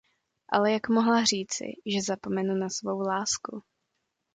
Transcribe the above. Ale jak mohla říci, že zapomenu na svou lásku?